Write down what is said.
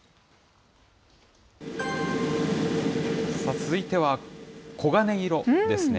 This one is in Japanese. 続いては、黄金色ですね。